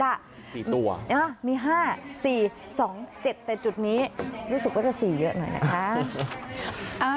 ๔ตัวมี๕๔๒๗แต่จุดนี้รู้สึกว่าจะ๔เยอะหน่อยนะคะ